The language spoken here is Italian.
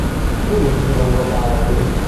Luigi Longobardi